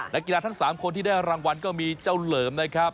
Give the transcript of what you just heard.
นักกีฬาทั้ง๓คนที่ได้รางวัลก็มีเจ้าเหลิมนะครับ